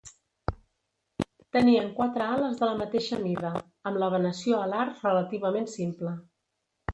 Tenien quatre ales de la mateixa mida, amb la venació alar relativament simple.